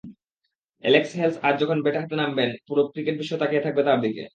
Alex হেলস্আজ যখন bat হাতে নামবেন, পুরো ক্রিকেট বিশ্ব তাকিয়ে থাকবে তাঁর দিকে।